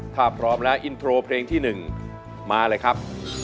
ถ้าพร้อมแล้วอินโทรเพลงที่๑มาเลยครับ